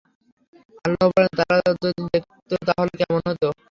আল্লাহ বলেন, তা যদি তারা দেখত তাহলে কেমন হতো?